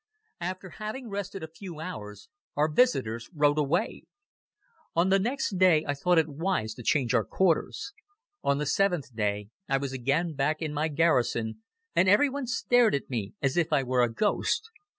After having rested a few hours, our visitors rode away again. On the next day I thought it wise to change our quarters. On the seventh day I was again back in my garrison and everyone stared at me as if I were a ghost.